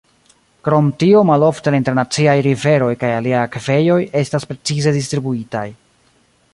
Krom tio malofte la internaciaj riveroj kaj aliaj akvejoj estas precize distribuitaj.